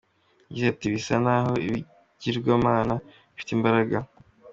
Yagize ati “Bisa n’aho ibigirwamana bifite imbaraga.